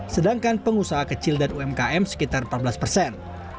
sedangkan pengusaha kecil dan umkm sekitar empat belas persen